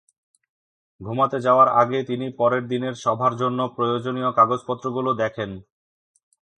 ঘুমাতে যাওয়ার আগে তিনি পরের দিনের সভার জন্য প্রয়োজনীয় কাগজপত্রগুলো দেখেন।